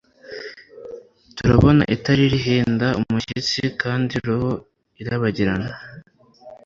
turabona itara rihinda umushyitsi kandi roho irabagirana